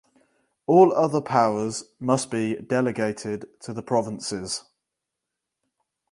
All other powers must be delegated to the provinces.